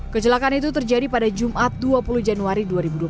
kecelakaan itu terjadi pada jumat dua puluh januari dua ribu dua puluh tiga